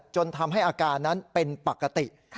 จนทำให้อาการนั้นเป็นปกติ